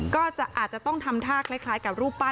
ก็อาจจะต้องทำท่าคล้ายกับรูปปั้น